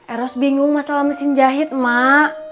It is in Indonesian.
eros bingung masalah mesin jahit emak